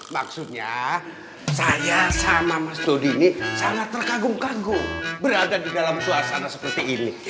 maksudnya saya sama mas dodi ini sangat terkagum kagum berada di dalam suasana seperti ini